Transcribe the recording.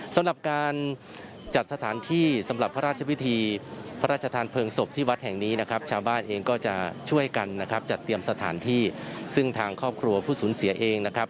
สำหรับการจัดสถานที่สำหรับพระราชพิธีพระราชทานเพลิงศพที่วัดแห่งนี้นะครับชาวบ้านเองก็จะช่วยกันนะครับจัดเตรียมสถานที่ซึ่งทางครอบครัวผู้สูญเสียเองนะครับ